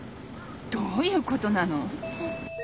どういうことなの？